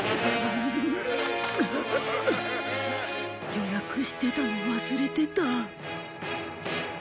予約してたの忘れてた。